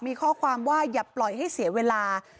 มีข้อความว่าอย่าปล่อยให้เสียเวลา